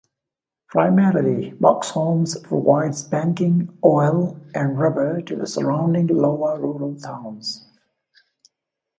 Primarily, Boxholm provides banking, oil, and rubber to the surrounding Iowa rural towns.